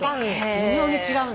微妙に違うのよ。